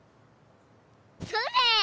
それ！